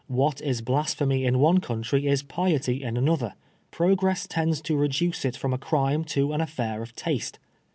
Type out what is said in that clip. What is blas phemy in one country is piety in another. Progress tends to reduce it from a crime to an affair of taste.